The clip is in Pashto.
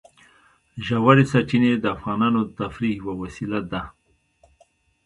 ژورې سرچینې د افغانانو د تفریح یوه وسیله ده.